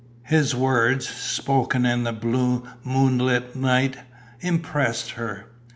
His words, spoken in the blue moonlit night, impressed her.